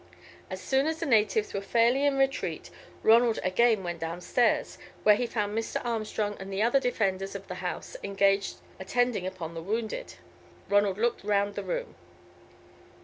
As soon as the natives were fairly in retreat Ronald again went downstairs, where he found Mr. Armstrong and the other defenders of the house engaged attending upon the wounded. Ronald looked round the room.